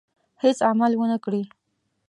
هېڅ عمل ونه کړي.